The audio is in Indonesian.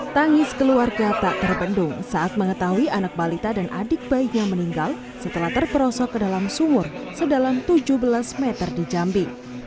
tangis keluarga tak terbendung saat mengetahui anak balita dan adik bayinya meninggal setelah terperosok ke dalam sumur sedalam tujuh belas meter di jambi